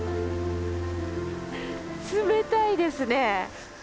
冷たいですね。